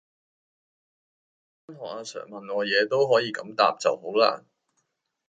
如果返學阿 sir 問我野都可以咁答就好勒!